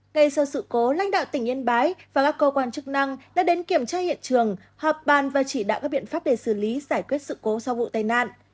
ngay sau sự cố lãnh đạo tỉnh yên bái và các cơ quan chức năng đã đến kiểm tra hiện trường họp bàn và chỉ đạo các biện pháp để xử lý giải quyết sự cố sau vụ tai nạn